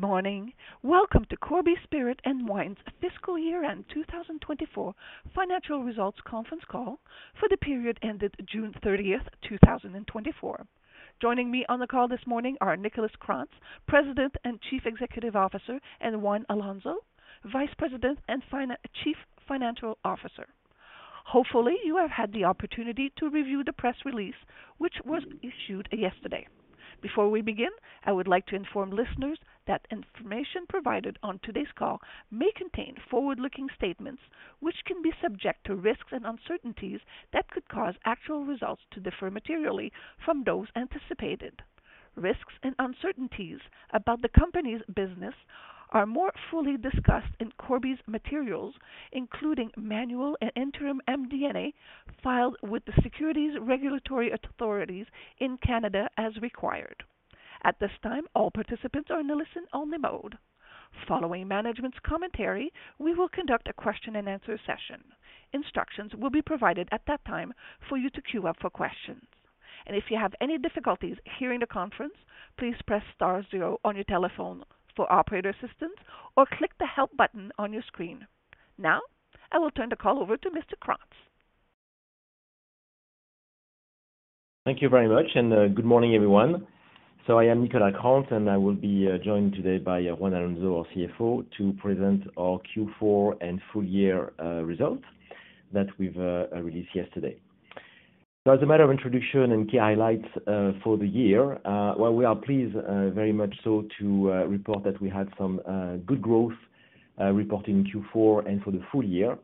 Good morning. Welcome to Corby Spirit and Wine's fiscal year-end two thousand and twenty-four financial results conference call for the period ended June thirtieth, two thousand and twenty-four. Joining me on the call this morning are Nicolas Krantz, President and Chief Executive Officer, and Juan Alonso, Vice President and Chief Financial Officer. Hopefully, you have had the opportunity to review the press release, which was issued yesterday. Before we begin, I would like to inform listeners that information provided on today's call may contain forward-looking statements, which can be subject to risks and uncertainties that could cause actual results to differ materially from those anticipated. Risks and uncertainties about the company's business are more fully discussed in Corby's materials, including annual and interim MD&A, filed with the securities regulatory authorities in Canada as required. At this time, all participants are in a listen-only mode. Following management's commentary, we will conduct a question-and-answer session. Instructions will be provided at that time for you to queue up for questions. And if you have any difficulties hearing the conference, please press star zero on your telephone for operator assistance, or click the Help button on your screen. Now, I will turn the call over to Mr. Krantz. Thank you very much, and good morning, everyone. So I am Nicolas Krantz, and I will be joined today by Juan Alonso, our CFO, to present our Q4 and full year results that we've released yesterday. So as a matter of introduction and key highlights, for the year, well, we are pleased very much so to report that we had some good growth reported in Q4 and for the full year,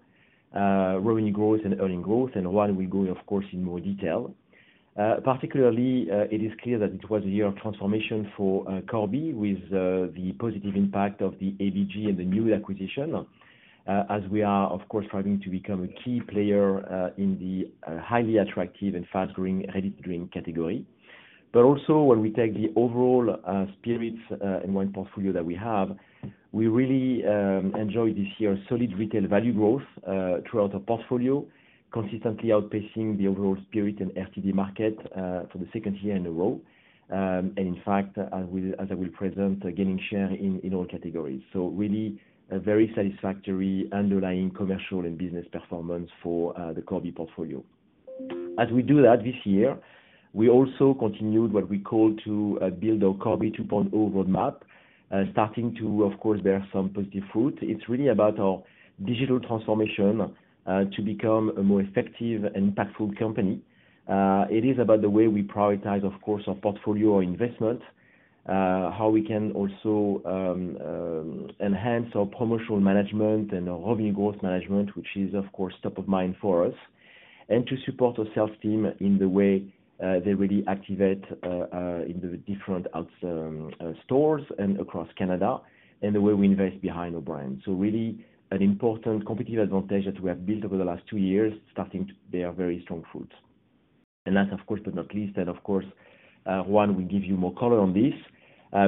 revenue growth and earnings growth, and Juan will go, of course, in more detail. Particularly, it is clear that it was a year of transformation for Corby, with the positive impact of the ABG and the new acquisition, as we are, of course, striving to become a key player in the highly attractive and fast-growing ready-to-drink category. But also, when we take the overall spirits and wine portfolio that we have, we really enjoyed this year's solid retail value growth throughout our portfolio, consistently outpacing the overall spirits and RTD market for the second year in a row, and in fact, as I will present, gaining share in all categories, so really a very satisfactory underlying commercial and business performance for the Corby portfolio. As we do that this year, we also continued what we call to build our Corby 2.0 roadmap, starting to, of course, bear some positive fruit. It's really about our digital transformation to become a more effective and impactful company. It is about the way we prioritize, of course, our portfolio, our investment, how we can also enhance our promotional management and our revenue growth management, which is, of course, top of mind for us, and to support our sales team in the way they really activate in the different outlets and stores across Canada, and the way we invest behind our brand, so really an important competitive advantage that we have built over the last two years, starting to bear very strong fruits, and last, of course, but not least, and of course, Juan will give you more color on this.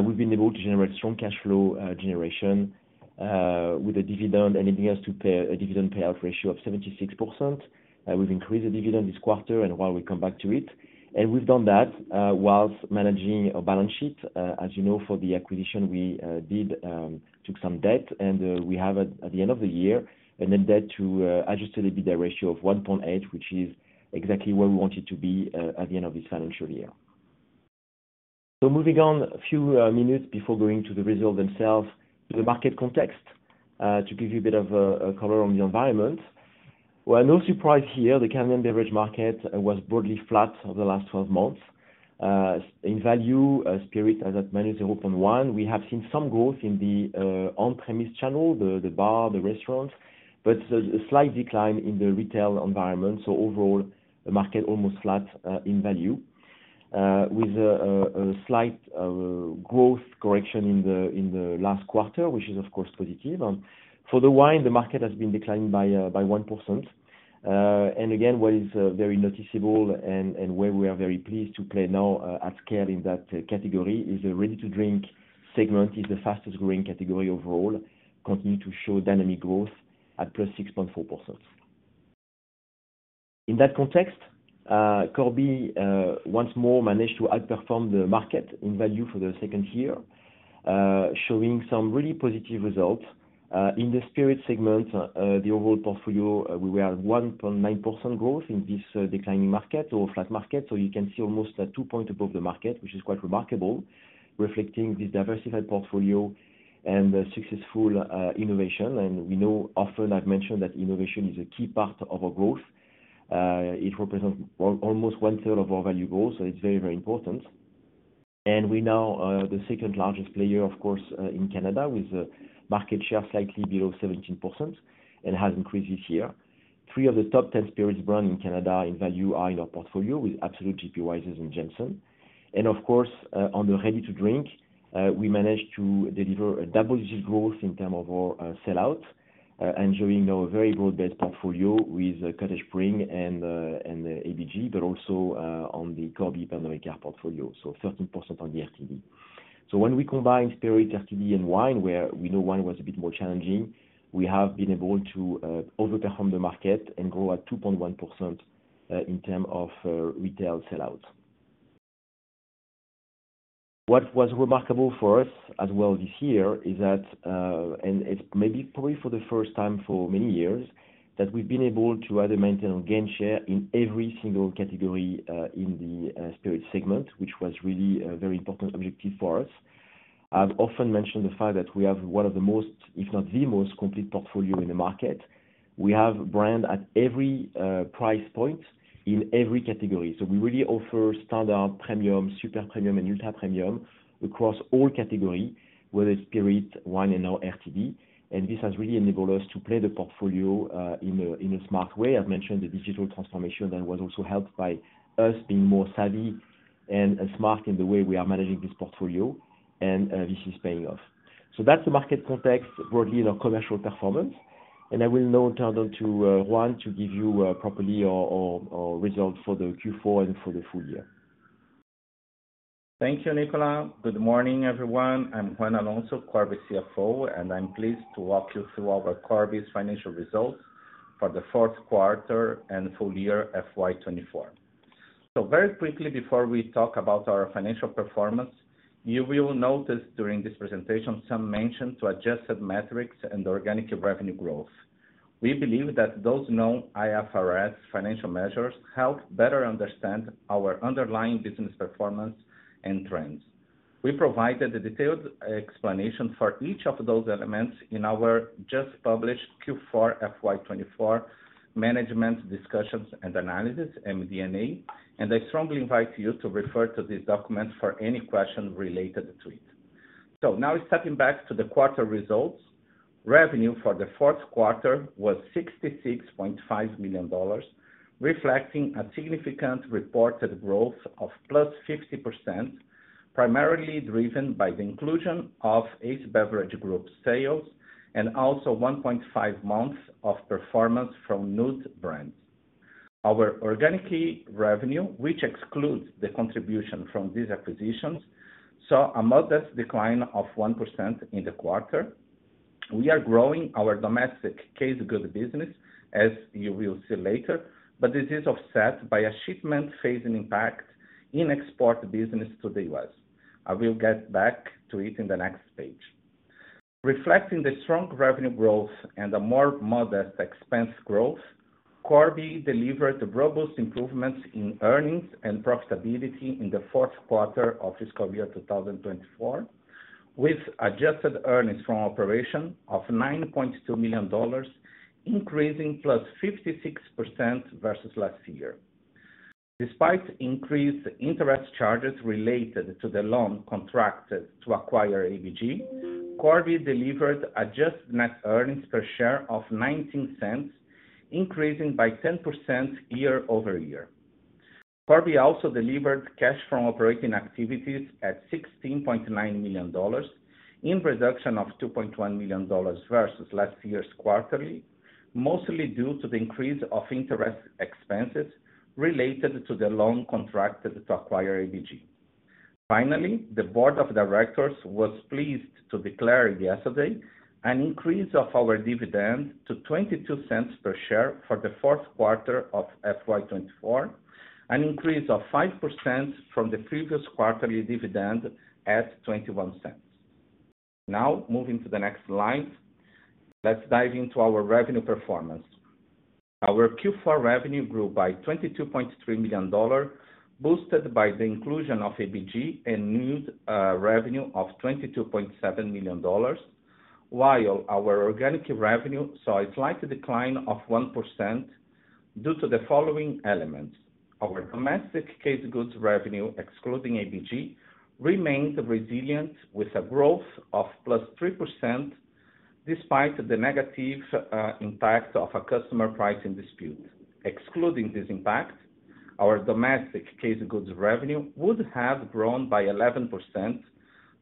We've been able to generate strong cash flow generation with a dividend enabling us to pay a dividend payout ratio of 76%. We've increased the dividend this quarter, and Juan will come back to it. And we've done that while managing our balance sheet. As you know, for the acquisition, we took some debt, and we have at the end of the year a net debt to Adjusted EBITDA ratio of 1.8, which is exactly where we want it to be at the end of this financial year. So moving on a few minutes before going to the results themselves, the market context to give you a bit of color on the environment. Well, no surprise here, the Canadian beverage market was broadly flat over the last 12 months. In value, spirits as at -0.1%, we have seen some growth in the on-premise channel, the bar, the restaurant, but a slight decline in the retail environment. So overall, the market almost flat in value, with a slight growth correction in the last quarter, which is of course positive. For the wine, the market has been declining by 1%. And again, what is very noticeable and where we are very pleased to play now at scale in that category is the ready to drink segment, is the fastest growing category overall, continuing to show dynamic growth at +6.4%. In that context, Corby once more managed to outperform the market in value for the second year, showing some really positive results. In the spirits segment, the overall portfolio, we are at 1.9% growth in this declining market or flat market, so you can see almost a two-point above the market, which is quite remarkable, reflecting the diversified portfolio and the successful innovation. And you know, often I've mentioned that innovation is a key part of our growth. It represents almost one third of our value growth, so it's very, very important, and we're now the second largest player, of course, in Canada, with a market share slightly below 17% and has increased this year. Three of the top ten spirits brands in Canada in value are in our portfolio, with Absolut, J.P. Wiser's, and Jameson. And of course, on the ready-to-drink, we managed to deliver a double-digit growth in terms of our sellout, enjoying our very broad-based portfolio with Cottage Springs and the ABG, but also on the Corby-owned portfolio, so 13% on the RTD. When we combine spirits, RTD, and wine, where we know wine was a bit more challenging, we have been able to outperform the market and grow at 2.1% in terms of retail sellout. What was remarkable for us as well this year is that and it's maybe probably for the first time in many years, that we've been able to either maintain or gain share in every single category in the spirits segment, which was really a very important objective for us. I've often mentioned the fact that we have one of the most, if not the most, complete portfolio in the market. We have brand at every price point in every category. So we really offer standard, premium, super premium, and ultra premium across all category, whether it's spirit, wine, and now RTD. And this has really enabled us to play the portfolio in a smart way. I've mentioned the digital transformation that was also helped by us being more savvy and smart in the way we are managing this portfolio, and this is paying off. So that's the market context, broadly in our commercial performance. And I will now turn over to Juan to give you properly our results for the Q4 and for the full year. Thank you, Nicolas. Good morning, everyone. I'm Juan Alonso, Corby's CFO, and I'm pleased to walk you through our Corby's financial results for the fourth quarter and full year FY twenty-four, so very quickly, before we talk about our financial performance, you will notice during this presentation some mention to adjusted metrics and organic revenue growth. We believe that those non-IFRS financial measures help better understand our underlying business performance and trends. We provided a detailed explanation for each of those elements in our just published Q4 FY twenty-four Management's Discussion and Analysis, MD&A, and I strongly invite you to refer to this document for any question related to it, so now stepping back to the quarter results. Revenue for the fourth quarter was 66.5 million dollars, reflecting a significant reported growth of +50%, primarily driven by the inclusion of Ace Beverage Group sales, and also 1.5 months of performance from Nude Beverages. Our organic revenue, which excludes the contribution from these acquisitions, saw a modest decline of 1% in the quarter. We are growing our domestic Cased Goods business, as you will see later, but this is offset by a shipment phasing impact in export business to the U.S. I will get back to it in the next page. Reflecting the strong revenue growth and a more modest expense growth, Corby delivered the robust improvements in earnings and profitability in the fourth quarter of fiscal year 2024, with adjusted earnings from Operations of 9.2 million dollars, increasing +56% versus last year. Despite increased interest charges related to the loan contracted to acquire ABG, Corby delivered adjusted net earnings per share of 0.19, increasing by 10% year over year. Corby also delivered cash from operating activities at 16.9 million dollars, a reduction of 2.1 million dollars versus last year's quarterly, mostly due to the increase of interest expenses related to the loan contracted to acquire ABG. Finally, the board of directors was pleased to declare yesterday an increase of our dividend to 0.22 per share for the fourth quarter of FY 2024, an increase of 5% from the previous quarterly dividend at 0.21. Now, moving to the next slide. Let's dive into our revenue performance. Our Q4 revenue grew by CAD 22.3 million, boosted by the inclusion of ABG and Nude revenue of CAD 22.7 million, while our organic revenue saw a slight decline of 1% due to the following elements: Our domestic Cased Goods revenue, excluding ABG, remained resilient with a growth of +3% despite the negative impact of a customer pricing dispute. Excluding this impact, our domestic Cased Goods revenue would have grown by 11%,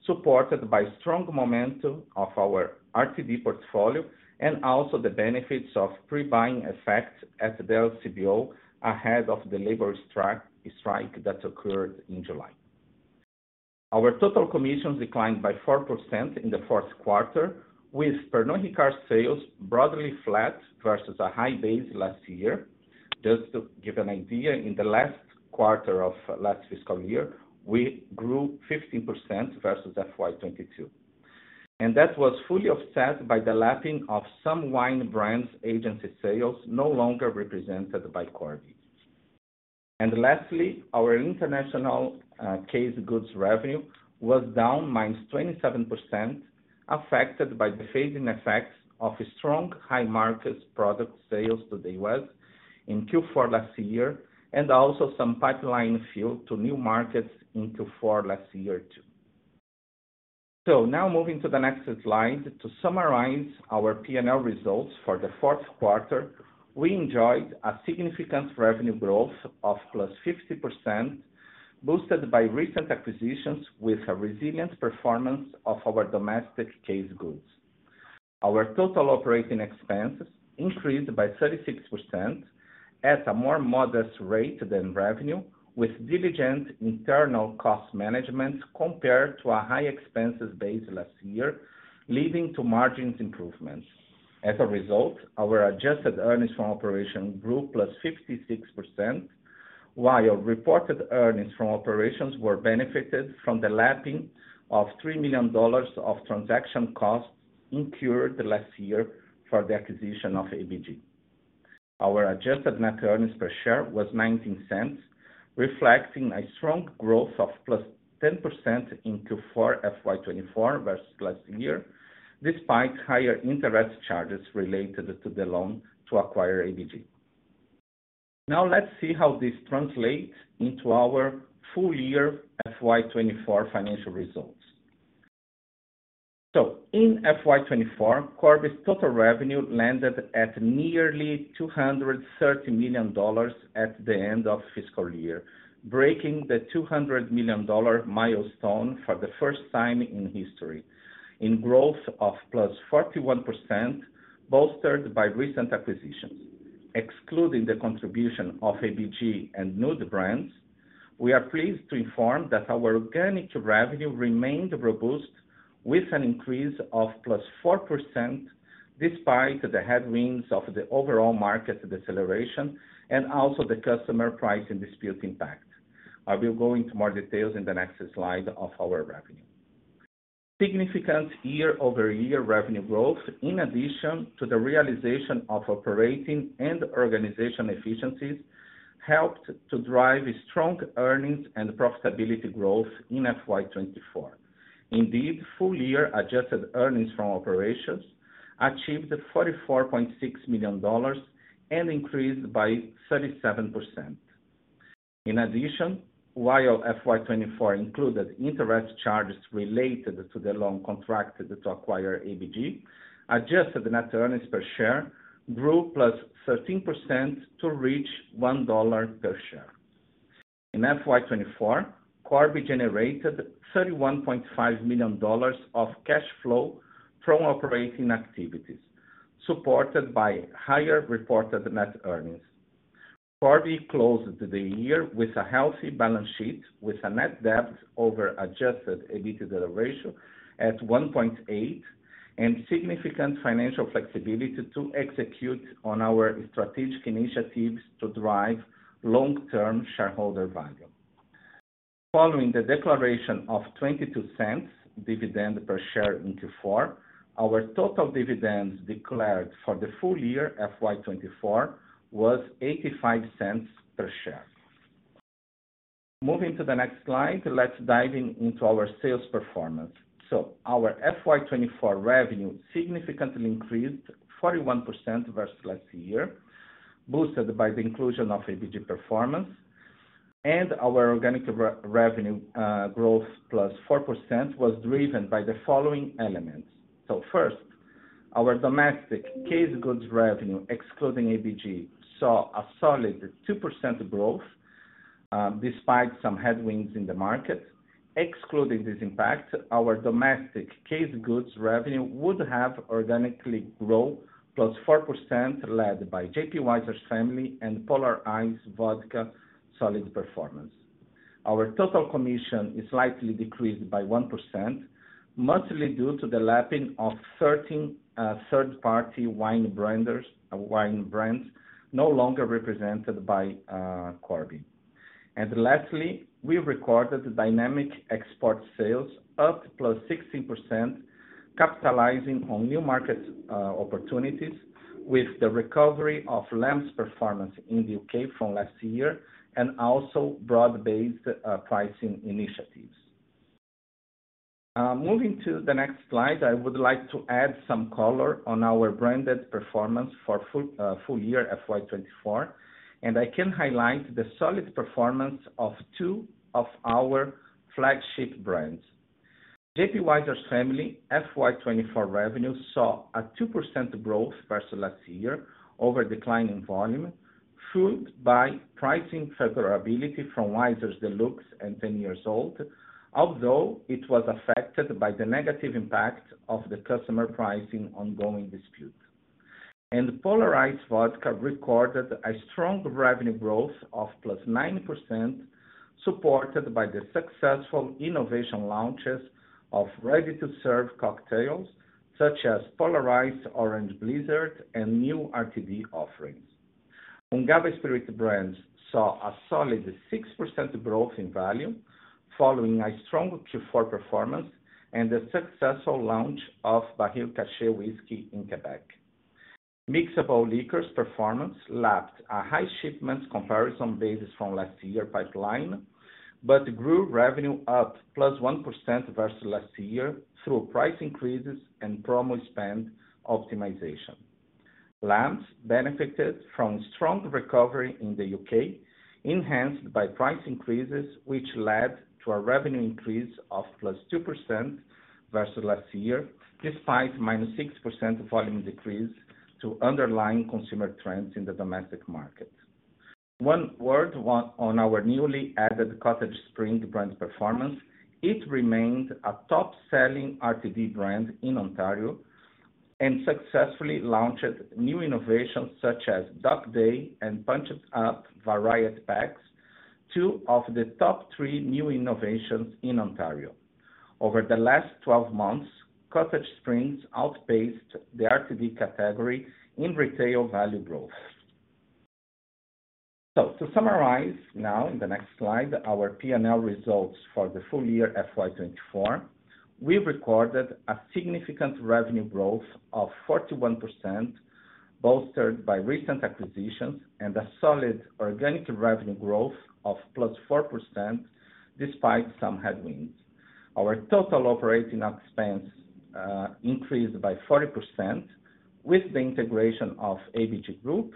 supported by strong momentum of our RTD portfolio, and also the benefits of pre-buying effects at the LCBO, ahead of the labor strike that occurred in July. Our total commissions declined by 4% in the fourth quarter, with Pernod Ricard sales broadly flat versus a high base last year. Just to give an idea, in the last quarter of last fiscal year, we grew 15% versus FY 2022, and that was fully offset by the lapping of some wine brands agency sales no longer represented by Corby. And lastly, our international Cased Goods revenue was down -27%, affected by the phasing effects of strong high-market product sales to the U.S. in Q4 last year, and also some pipeline fill to new markets in Q4 last year, too. So now moving to the next slide. To summarize our P&L results for the fourth quarter, we enjoyed a significant revenue growth of +50%, boosted by recent acquisitions with a resilient performance of our domestic Cased Goods. Our total operating expenses increased by 36% at a more modest rate than revenue, with diligent internal cost management compared to a high expenses base last year, leading to margins improvements. As a result, our adjusted earnings from operations grew +56% while reported earnings from operations were benefited from the lapping of 3 million dollars of transaction costs incurred last year for the acquisition of ABG. Our adjusted net earnings per share was 0.19, reflecting a strong growth of +10% in Q4 FY 2024 versus last year, despite higher interest charges related to the loan to acquire ABG. Now let's see how this translates into our full year FY 2024 financial results. So in FY 2024, Corby's total revenue landed at nearly 230 million dollars at the end of fiscal year, breaking the 200 million dollar milestone for the first time in history, in growth of +41%, bolstered by recent acquisitions. Excluding the contribution of ABG and Nude brands, we are pleased to inform that our organic revenue remained robust with an increase of +4%, despite the headwinds of the overall market deceleration and also the customer pricing dispute impact. I will go into more details in the next slide of our revenue. Significant year-over-year revenue growth, in addition to the realization of operating and organization efficiencies, helped to drive strong earnings and profitability growth in FY 2024. Indeed, full year Adjusted Earnings from Operations achieved 44.6 million dollars and increased by 37%. In addition, while FY 2024 included interest charges related to the loan contracted to acquire ABG, adjusted net earnings per share grew +13% to reach 1 dollar per share. In FY 2024, Corby generated 31.5 million dollars of cash flow from operating activities, supported by higher reported net earnings. Corby closed the year with a healthy balance sheet, with a net debt over Adjusted EBITDA ratio at 1.8, and significant financial flexibility to execute on our strategic initiatives to drive long-term shareholder value. Following the declaration of 0.22 dividend per share in Q4, our total dividends declared for the full year, FY 2024, was 0.85 per share. Moving to the next slide, let's dive in, into our sales performance. So our FY 2024 revenue significantly increased 41% versus last year, boosted by the inclusion of ABG performance. Our organic revenue growth +4% was driven by the following elements. First, our domestic Cased Goods revenue, excluding ABG, saw a solid 2% growth despite some headwinds in the market. Excluding this impact, our domestic Cased Goods revenue would have organically grown +4%, led by J.P. Wiser's Family and Polar Ice Vodka solid performance. Our total commission is slightly decreased by 1%, mostly due to the lapping of 13 third-party wine brands no longer represented by Corby. Lastly, we recorded dynamic export sales up +16%, capitalizing on new market opportunities with the recovery of Lamb's performance in the U.K. from last year, and also broad-based pricing initiatives. Moving to the next slide, I would like to add some color on our branded performance for full year FY 2024, and I can highlight the solid performance of two of our flagship brands. J.P. Wiser's Family, FY 2024 revenue saw a 2% growth versus last year over declining volume, fueled by pricing favorability from Wiser's Deluxe and 10 Year Old, although it was affected by the negative impact of the customer pricing ongoing dispute. And Polar Ice Vodka recorded a strong revenue growth of +9%, supported by the successful innovation launches of ready-to-serve cocktails such as Polar Ice Orange Blizzard and new RTD offerings. Ungava Spirits brands saw a solid 6% growth in value, following a strong Q4 performance and the successful launch of Baril Caché whisky in Quebec. Mixable Liqueurs performance lapped a high shipment comparison basis from last year pipeline, but grew revenue up 1% versus last year through price increases and promo spend optimization. Lamb's benefited from strong recovery in the U.K., enhanced by price increases, which led to a revenue increase of 2% versus last year, despite -6% volume decrease due to underlying consumer trends in the domestic market. One word on our newly added Cottage Springs brand performance. It remained a top-selling RTD brand in Ontario, and successfully launched new innovations such as Dock Days and Punches Up Variety Packs, two of the top three new innovations in Ontario over the last twelve months. Cottage Springs outpaced the RTD category in retail value growth. So to summarize now in the next slide, our P&L results for the full year FY 2024, we recorded a significant revenue growth of 41%, bolstered by recent acquisitions and a solid organic revenue growth of +4%, despite some headwinds. Our total operating expense increased by 40% with the integration of ABG Group,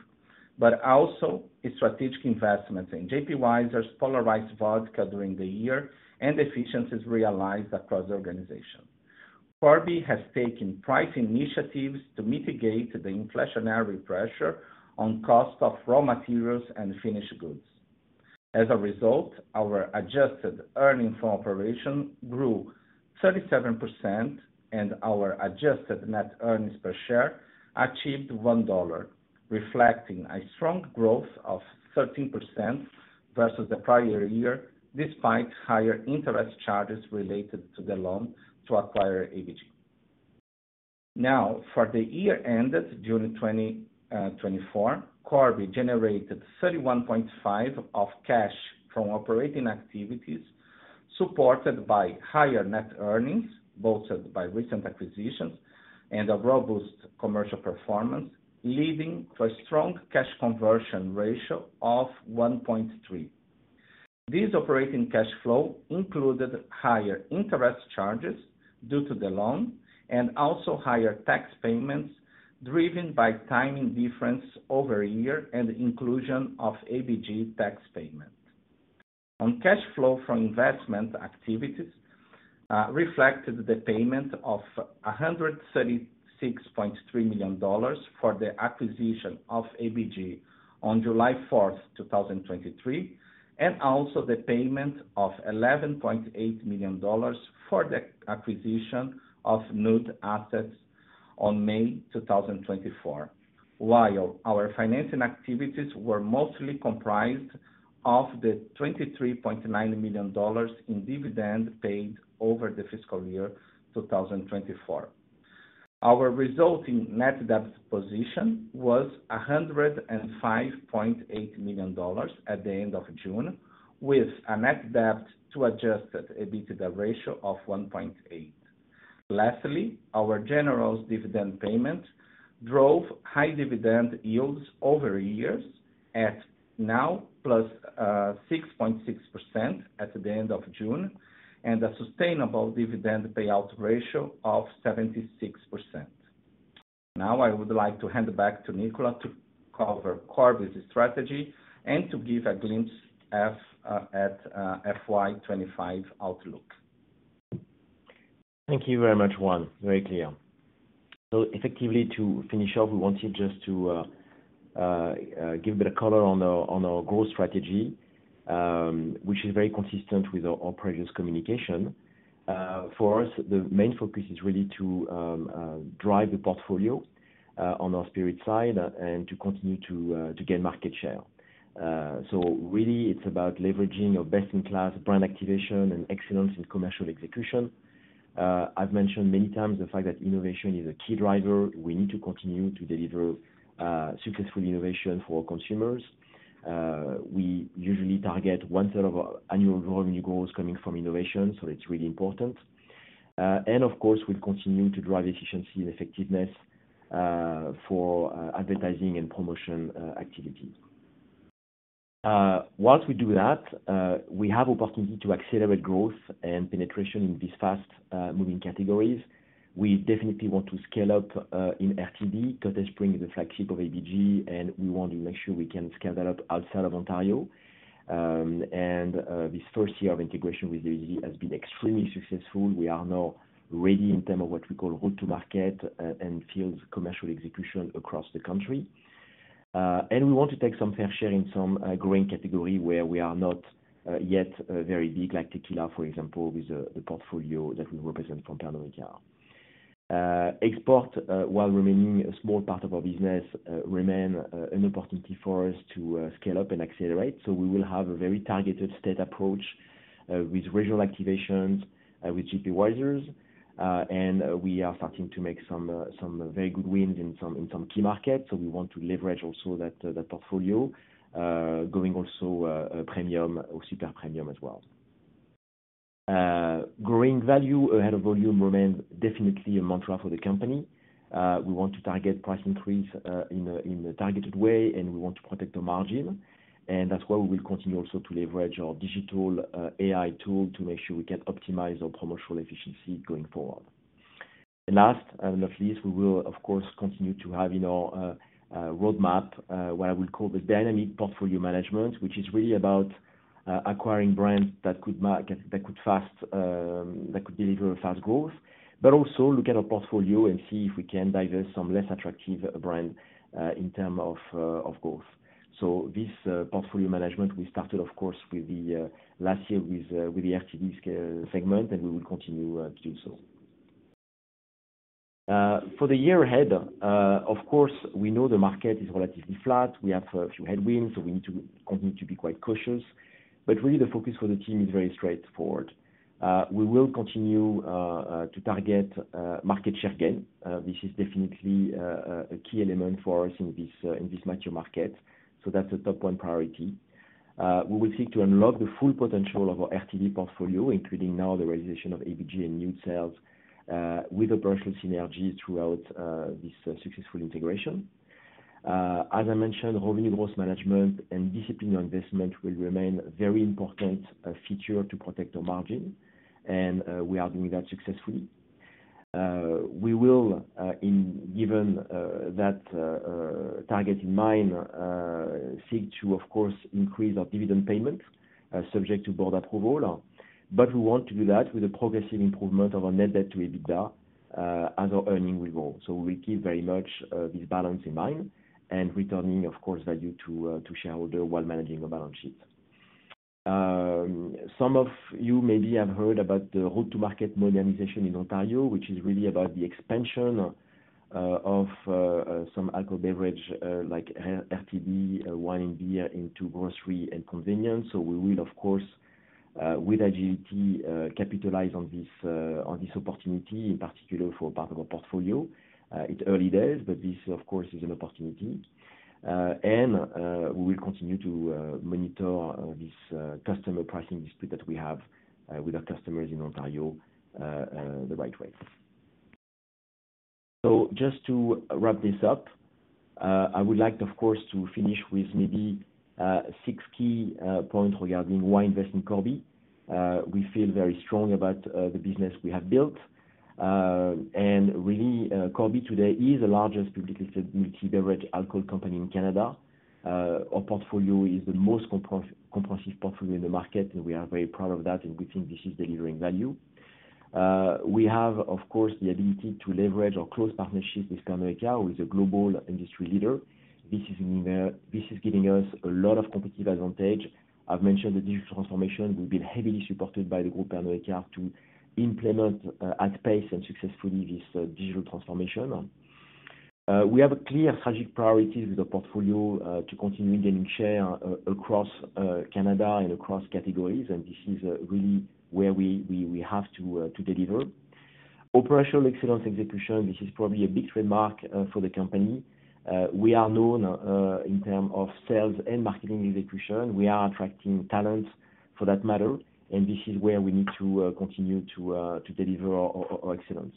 but also a strategic investment in J.P. Wiser's Polar Ice Vodka during the year and efficiencies realized across the organization. Corby has taken price initiatives to mitigate the inflationary pressure on cost of raw materials and finished goods. As a result, our Adjusted Earnings from Operations grew 37%, and our adjusted net earnings per share achieved 1 dollar, reflecting a strong growth of 13% versus the prior year, despite higher interest charges related to the loan to acquire ABG. Now, for the year ended June 30, 2024, Corby generated 31.5 million of cash from operating activities, supported by higher net earnings, bolstered by recent acquisitions and a robust commercial performance, leading to a strong cash conversion ratio of 1.3. This operating cash flow included higher interest charges due to the loan and also higher tax payments, driven by timing difference over year and inclusion of ABG tax payment. On cash flow from investment activities reflected the payment of 136.3 million dollars for the acquisition of ABG on July 4, 2023, and also the payment of 11.8 million dollars for the acquisition of Nude assets on May 2024. While our financing activities were mostly comprised of the 23.9 million dollars in dividend paid over the fiscal year two thousand and twenty-four. Our resulting net debt position was 105.8 million dollars at the end of June, with a net debt to Adjusted EBITDA ratio of 1.8. Lastly, our general dividend payment drove high dividend yields over years at now plus 6.6% at the end of June, and a sustainable dividend payout ratio of 76%. Now, I would like to hand it back to Nicolas to cover Corby's strategy and to give a glimpse at FY 2025 outlook. Thank you very much, Juan. Very clear. So effectively, to finish up, we wanted just to give a bit of color on our growth strategy, which is very consistent with our previous communication. For us, the main focus is really to drive the portfolio on our spirit side and to continue to gain market share. So really it's about leveraging our best-in-class brand activation and excellence in commercial execution. I've mentioned many times the fact that innovation is a key driver. We need to continue to deliver successful innovation for our consumers. We usually target one third of our annual volume goals coming from innovation, so it's really important. And of course, we continue to drive efficiency and effectiveness for advertising and promotion activities. While we do that, we have opportunity to accelerate growth and penetration in these fast moving categories. We definitely want to scale up in RTD. Cottage Springs is a flagship of ABG, and we want to make sure we can scale that up outside of Ontario. This first year of integration with ABG has been extremely successful. We are now ready in terms of what we call route to market and field commercial execution across the country. We want to take some fair share in some growing category where we are not yet very big, like tequila, for example, with the portfolio that we represent from Pernod Ricard. Export, while remaining a small part of our business, remain an opportunity for us to scale up and accelerate. We will have a very targeted state approach with regional activations with J.P. Wiser's. We are starting to make some very good wins in some key markets. We want to leverage also that portfolio going also premium or super premium as well. Growing value ahead of volume remains definitely a mantra for the company. We want to target price increase in a targeted way, and we want to protect the margin, and that's why we will continue also to leverage our digital AI tool to make sure we can optimize our promotional efficiency going forward. And last but not least, we will, of course, continue to have in our roadmap what I would call the dynamic portfolio management, which is really about acquiring brands that could deliver fast growth. But also look at our portfolio and see if we can divest some less attractive brands in terms of growth. So this portfolio management, we started, of course, last year with the RTD scale segment, and we will continue to do so. For the year ahead, of course, we know the market is relatively flat. We have a few headwinds, so we need to continue to be quite cautious. But really, the focus for the team is very straightforward. We will continue to target market share gain. This is definitely a key element for us in this mature market, so that's a top one priority. We will seek to unlock the full potential of our RTD portfolio, including now the realization of ABG and Nude sales, with operational synergies throughout this successful integration. As I mentioned, revenue growth management and disciplined investment will remain a very important feature to protect our margin, and we are doing that successfully. We will, given that target in mind, seek to, of course, increase our dividend payment, subject to board approval, but we want to do that with a progressive improvement of our net debt to EBITDA, as our earning will grow. So we keep very much this balance in mind and returning, of course, value to shareholder while managing the balance sheet. Some of you maybe have heard about the route to market modernization in Ontario, which is really about the expansion of some alcoholic beverages like RTD, wine, and beer into grocery and convenience, so we will, of course, with agility, capitalize on this opportunity, in particular for part of our portfolio. It's early days, but this, of course, is an opportunity, and we will continue to monitor this customer pricing dispute that we have with our customers in Ontario the right way, so just to wrap this up, I would like, of course, to finish with maybe six key points regarding why invest in Corby. We feel very strong about the business we have built, and really, Corby today is the largest publicly listed multi-beverage alcohol company in Canada. Our portfolio is the most comprehensive portfolio in the market, and we are very proud of that, and we think this is delivering value. We have, of course, the ability to leverage our close partnership with Pernod Ricard, who is a global industry leader. This is giving us a lot of competitive advantage. I've mentioned the digital transformation. We've been heavily supported by the group, Pernod Ricard, to implement at pace and successfully this digital transformation. We have a clear strategic priority with the portfolio to continue gaining share across Canada and across categories, and this is really where we have to deliver. Operational excellence execution, this is probably a big trademark for the company. We are known in terms of sales and marketing execution. We are attracting talent for that matter, and this is where we need to continue to deliver our excellence.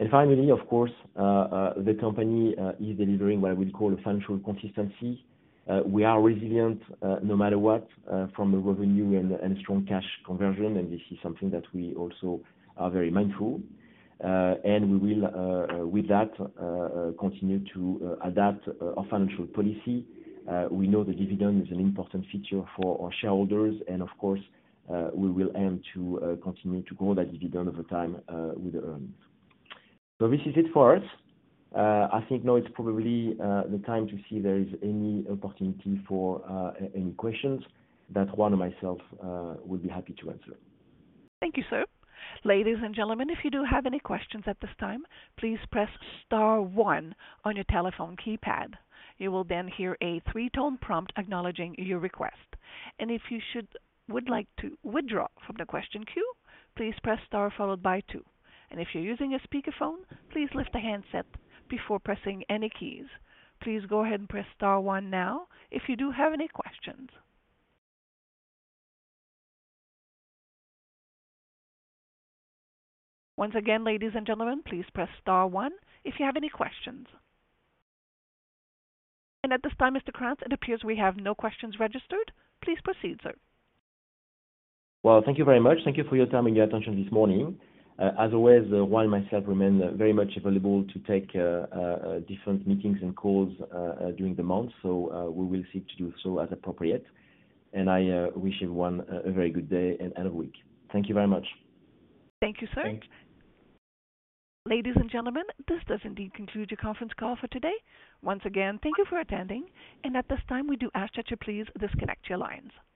And finally, of course, the company is delivering what I would call a financial consistency. We are resilient no matter what from a revenue and strong cash conversion, and this is something that we also are very mindful. And we will with that continue to adapt our financial policy. We know the dividend is an important feature for our shareholders, and of course, we will aim to continue to grow that dividend over time with the earnings. So this is it for us. I think now it's probably the time to see if there is any opportunity for any questions that Juan or myself would be happy to answer. Thank you, sir. Ladies and gentlemen, if you do have any questions at this time, please press star one on your telephone keypad. You will then hear a three-tone prompt acknowledging your request. And if you would like to withdraw from the question queue, please press star followed by two. And if you're using a speakerphone, please lift the handset before pressing any keys. Please go ahead and press star one now if you do have any questions. Once again, ladies and gentlemen, please press star one if you have any questions. And at this time, Mr. Krantz, it appears we have no questions registered. Please proceed, sir. Thank you very much. Thank you for your time and your attention this morning. As always, Juan and myself remain very much available to take different meetings and calls during the month. We will seek to do so as appropriate. I wish everyone a very good day and week. Thank you very much. Thank you, sir. Thanks. Ladies and gentlemen, this does indeed conclude your conference call for today. Once again, thank you for attending, and at this time, we do ask that you please disconnect your lines.